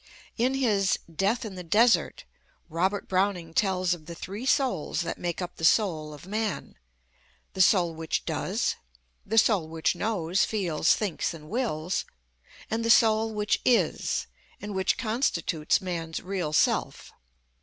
In his "Death in the Desert," Robert Browning tells of the three souls that make up the soul of man: the soul which Does; the soul which Knows, feels, thinks and wills, and the soul which Is and which constitutes man's real self.